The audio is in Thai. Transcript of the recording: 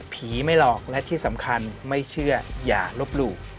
ไม่หลอกและที่สำคัญไม่เชื่ออย่าลบหลู่